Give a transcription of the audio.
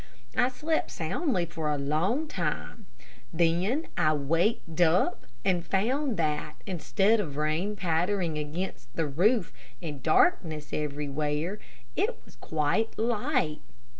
I slept soundly for a long time; then I waked up and found that, instead of rain pattering against the roof, and darkness everywhere, it was quite light.